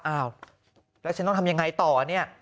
อ้าวแล้วฉันต้องทำยังไงต่อเนี่ย